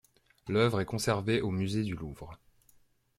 L’œuvre est conservée au musée du Louvre.